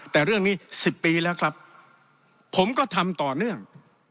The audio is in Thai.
แต่เรื่องนี้๑๐ปีแล้วครับผมก็ทำต่อเนื่อง